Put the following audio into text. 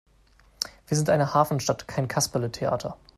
Wir sind eine Hafenstadt, kein Kasperletheater!